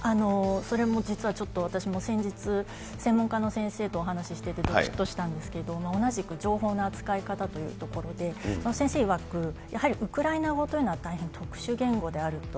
それも実はちょっと、私も先日、専門家の先生とお話しててどきっとしたんですけれども、同じく情報の扱い方というところで、先生いわく、やはりウクライナ語というのは大変特殊言語であると。